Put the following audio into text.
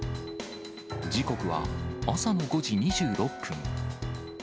時刻は朝の５時２６分。